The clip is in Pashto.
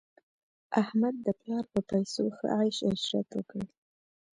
احمد د پلا په پیسو ښه عش عشرت وکړ.